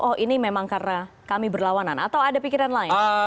oh ini memang karena kami berlawanan atau ada pikiran lain